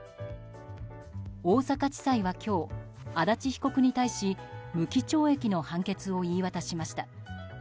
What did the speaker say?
大阪地裁は今日、足立被告に対し無期懲役の判決を言い渡しました。